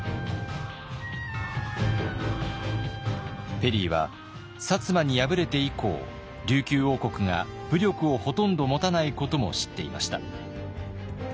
ペリーは摩に敗れて以降琉球王国が武力をほとんど持たないことも知っていました。